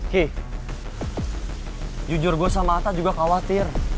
kih jujur gue sama atta juga khawatir